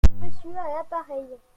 On demande Monsieur à l’appareil.